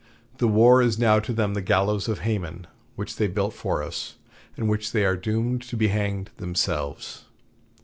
The war is now to them the gallows of Haman, which they built for us, and on which they are doomed to be hanged themselves."